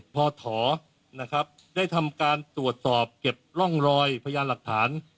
พอถอนะครับได้ทำการตรวจสอบเก็บร่องรอยพยานหลักฐาน